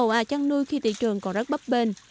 à chăn nuôi khi thị trường còn rất bấp bên